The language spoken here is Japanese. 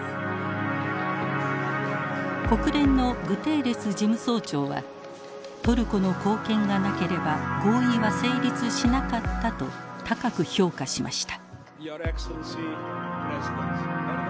国連のグテーレス事務総長はトルコの貢献がなければ合意は成立しなかったと高く評価しました。